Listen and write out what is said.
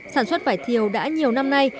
sản xuất vải thiều đã nhiều năm nay